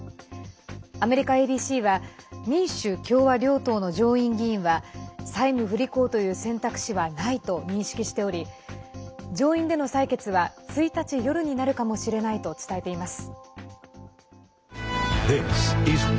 アメリカＡＢＣは民主・共和両党の上院議員は債務不履行という選択肢はないと認識しており上院での採決は１日夜になるかもしれないと伝えています。